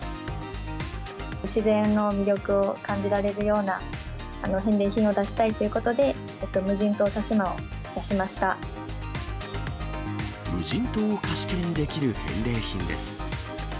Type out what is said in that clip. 自然の魅力を感じられるような返礼品を出したいということで、無人島を貸し切りにできる返礼品です。